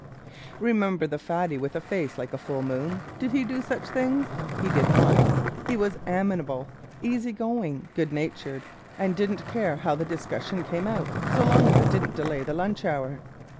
Remember the "Fatty" with a face like a full moon? Did he do such things? He did not. He was amenable, easy going, good natured, and didn't care how the discussion came out, so long as it didn't delay the lunch hour.